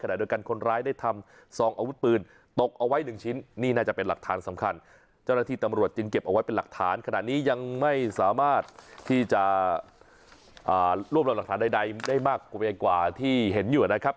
ขณะเดียวกันคนร้ายได้ทำซองอาวุธปืนตกเอาไว้หนึ่งชิ้นนี่น่าจะเป็นหลักฐานสำคัญเจ้าหน้าที่ตำรวจจึงเก็บเอาไว้เป็นหลักฐานขนาดนี้ยังไม่สามารถที่จะรวบรวมหลักฐานใดได้มากกว่าเวงกว่าที่เห็นอยู่นะครับ